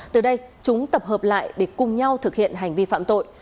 từ đây chúng tập hợp lại để cùng nhau thực hiện hành vi phạm tội